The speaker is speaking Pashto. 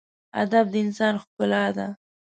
ادب د انسان ښکلا ده.